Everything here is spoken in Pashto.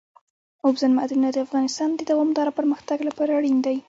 اوبزین معدنونه د افغانستان د دوامداره پرمختګ لپاره اړین دي.